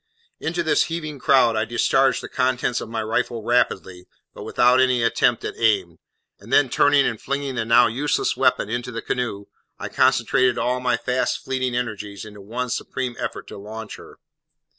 Into this heaving crowd I discharged the contents of my rifle rapidly, but without any attempt at aim, and then turning and flinging the now useless weapon into the canoe, I concentrated all my fast fleeting energies into one supreme effort to launch her.